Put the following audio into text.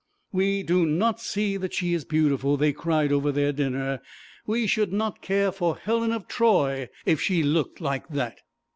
'We do not see that she is beautiful,' they cried over their dinner. 'We should not care for Helen of Troy if she looked like that.'